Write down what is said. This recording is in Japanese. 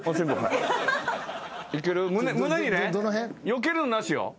よけるのなしよ。